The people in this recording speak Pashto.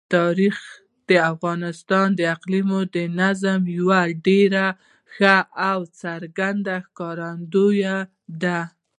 تاریخ د افغانستان د اقلیمي نظام یوه ډېره ښه او څرګنده ښکارندوی ده.